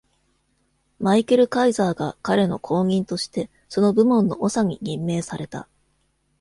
マイケルカイザーが、彼の後任としてその部門の長に任命された。